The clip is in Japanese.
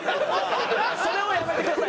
それはやめてください。